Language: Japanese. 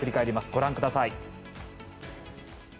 ご覧ください。